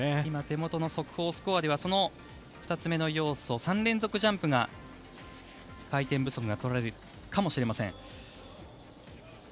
今、手元の速報スコアではその２つ目の要素３連続ジャンプが回転不足が取られるかもしれません。